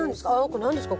これ何ですか？